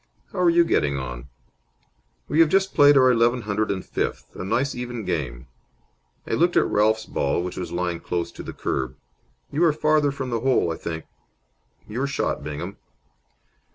How are you getting on?" "We have just played our eleven hundred and fifth. A nice even game." I looked at Ralph's ball, which was lying close to the kerb. "You are farther from the hole, I think. Your shot, Bingham."